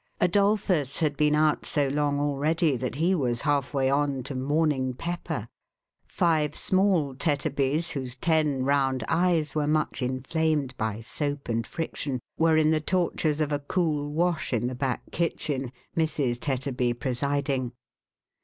Adolphus had been out so long already, that he was halfway on to Morning Pep per. Five small Tetterbys, whose ten round eyes were much inflamed by soap and friction, were in the tor tures of a cool wash in the back kitchen ; Mrs. Tetterbv pre siding.